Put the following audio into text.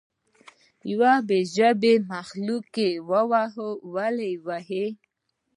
یو بې ژبې مخلوق وهئ ولې یې وهئ.